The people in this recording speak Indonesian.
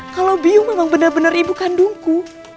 kalau biu memang benar benar ibu kandungku